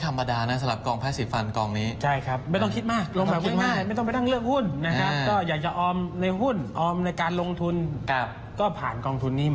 ก็ผ่านกองทุนนี้มันก็ง่ายดี